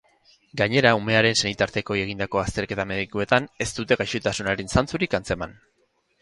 Gainera, umearen senitartekoei egindako azterketa medikuetan, ez dute gaixotasunaren zantzurik antzeman.